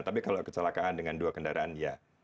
tapi kalau kecelakaan dengan dua kendaraan ya